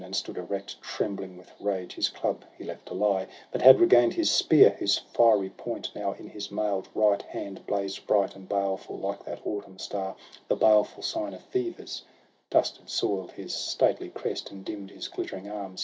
And stood erect, trembling with rage; his club He left to lie, but had regain'd his spear, SOHRAB AND RUSTUM. 103 Whose fiery point now in his mail'd right hand Blazed bright and baleful, like that autumn star, The baleful sign of fevers; dust had soil'd His stately crest, and dimm'd his glittering arms.